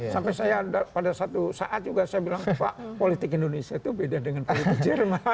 sampai saya pada satu saat juga saya bilang politik indonesia itu beda dengan politik jerman